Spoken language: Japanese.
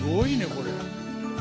これ。